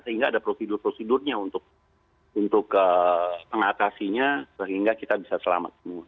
sehingga ada prosedur prosedurnya untuk mengatasinya sehingga kita bisa selamat semua